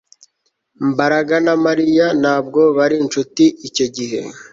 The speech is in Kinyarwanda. Mbaraga na Mariya ntabwo bari inshuti icyo gihe